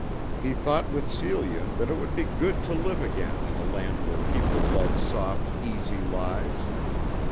He thought with Celia that it would be good to live again in a land where people led soft, easy lives.